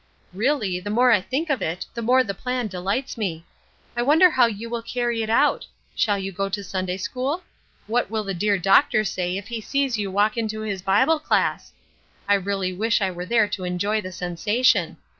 Really, the more I think of it the more the plan delights me. I wonder how you will carry it out? Shall you go to Sunday school? What will the dear Doctor say if he sees you walk into his Bible class? I really wish I were there to enjoy the sensation.